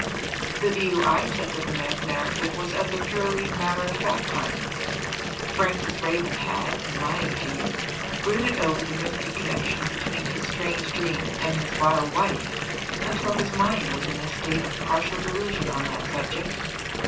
The view I took of the man's narrative was of the purely matter of fact kind. Francis Raven had, in my opinion, brooded over the misty connection between his strange dream and his vile wife, until his mind was in a state of partial delusion on that subject.